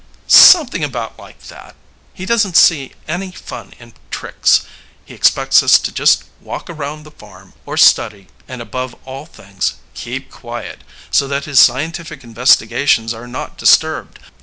"Something about like that. He doesn't see any fun in tricks. He expects us to just walk around the farm, or study, and, above all things, keep quiet, so that his scientific investigations are not disturbed.